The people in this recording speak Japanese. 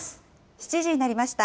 ７時になりました。